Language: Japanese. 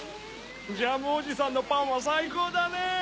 ジャムおじさんのパンはさいこうだね！